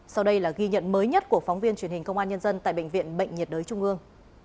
sau đây là ghi nhận mới nhất của phóng viên truyền hình công an nhân dân tại bệnh viện bệnh nhiệt đới trung ương